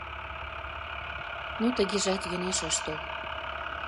Но тыгежат йӧнеш ыш тол.